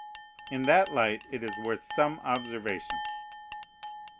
In that light it is worth some observation.